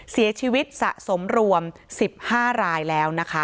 เสียชีวิตสะสมรวม๑๕รายแล้วนะคะ